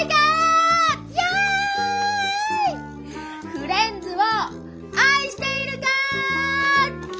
フレンズを愛しているか！